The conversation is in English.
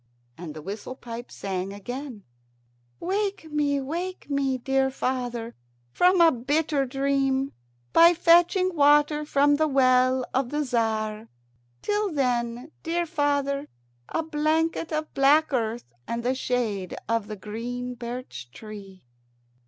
And the whistle pipe sang again: "Wake me, wake me, dear father, from a bitter dream, by fetching water from the well of the Tzar. Till then, dear father, a blanket of black earth and the shade of the green birch tree."